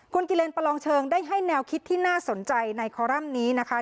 คุณกิเลนประลองเชิงได้ให้แนวคิดที่น่าสนใจในคอรัมป์นี้นะคะ